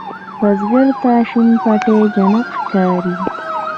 بزګر ته شین پټی جنت ښکاري